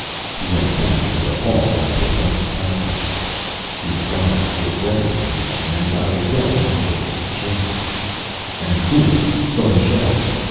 He went back into the hall and picked up the telephone; he dialed for Weather Information, and got a well modulated chant: " and cooler, some showers.